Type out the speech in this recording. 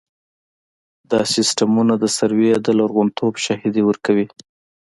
دا سیستمونه د سروې د لرغونتوب شاهدي ورکوي